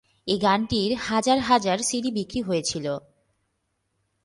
এ গানটির হাজার হাজার সিডি বিক্রি হয়েছিল।